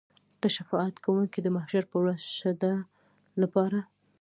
ته شفاعت کوونکی د محشر په ورځ شه د ده لپاره.